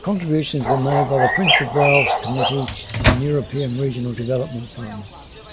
Contributions were made by The Prince of Wales' Committee and European Regional Development Fund.